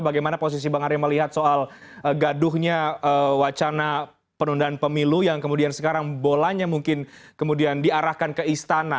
bagaimana posisi bang arya melihat soal gaduhnya wacana penundaan pemilu yang kemudian sekarang bolanya mungkin kemudian diarahkan ke istana